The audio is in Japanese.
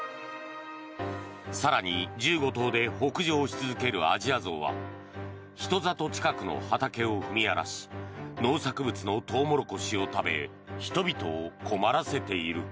更に、１５頭で北上し続けるアジアゾウは人里近くの畑を踏み荒らし農作物のトウモロコシを食べ人々を困らせている。